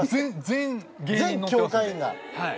全協会員が。